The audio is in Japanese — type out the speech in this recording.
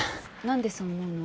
何でそう思うの？